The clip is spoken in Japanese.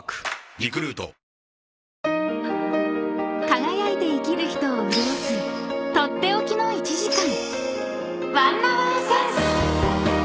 ［輝いて生きる人を潤す取って置きの１時間］